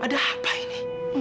ada apa ini